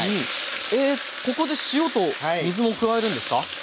えっここで塩と水を加えるんですか？